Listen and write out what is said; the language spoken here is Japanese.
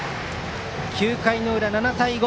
９回の裏、７対５。